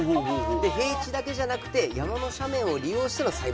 で平地だけじゃなくて山の斜面を利用しての栽培